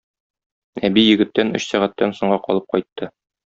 Әби егеттән өч сәгатьтән соңга калып кайтты.